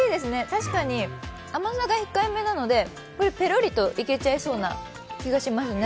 確かに、甘さが控えめなのでペロリといけちゃいそうな気がしますね。